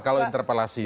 kalau interpelasi itu